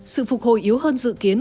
sự phục hồi yếu hơn dự kiến